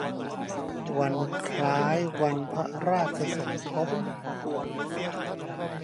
วันคล้ายวันพระราชสมภพ